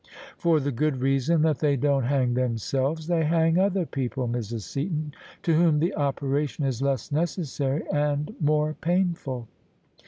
"For the good reason that they don't hang themselves: they hang other people, Mrs. Seaton, to whom the operation is less necessary and more painful."